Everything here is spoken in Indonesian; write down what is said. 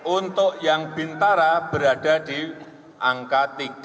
untuk yang bintara berada di angka tiga